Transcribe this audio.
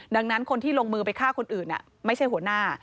ดังนั้นคนที่ลงมือไปฆ่าคนอื่นไม่ใช่หัวหน้า